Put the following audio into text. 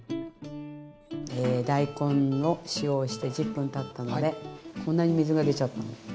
大根を塩をして１０分たったのでこんなに水が出ちゃったの。